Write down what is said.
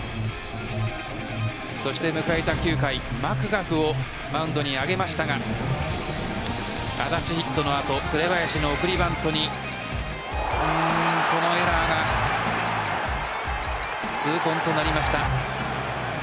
そして迎えた９回、マクガフをマウンドに上げましたが安達、ヒットの後紅林の送りバントにこのエラーが痛恨となりました。